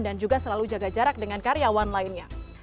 dan juga selalu jaga jarak dengan karyawan lainnya